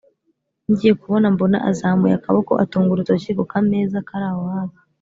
ngiye kubona mbona azamuye akaboko atunga urutoki ku kameza karaho hafi